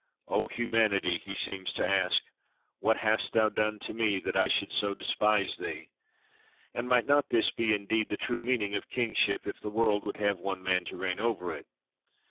—"O humanity!" he seems to ask, "what hast thou done to me that I should so despise thee?"—And might not this be indeed the true meaning of kingship, if the world would have one man to reign over it?